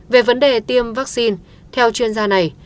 về vấn đề tiêm vaccine theo chuyên gia này